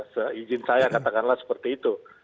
seizin saya katakanlah seperti itu